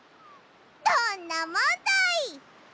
どんなもんだい！